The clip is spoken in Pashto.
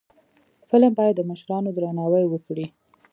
فلم باید د مشرانو درناوی وکړي